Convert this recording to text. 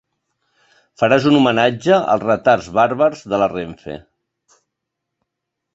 Faràs un homenatge als retards bàrbars de la Renfe.